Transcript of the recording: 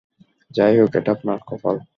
যাইহোক, এটা আপনার কপাল।